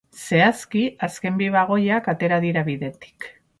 Zehazki, azken bi bagoiak atera dira bidetik.